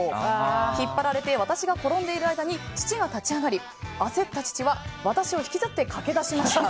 引っ張られて私が転んでいる間に父が立ち上がり焦った父は私を引きずって駆け出しました。